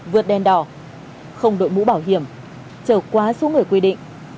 vượt đèn đỏ không đội mũ bảo hiểm trở quá số người quy định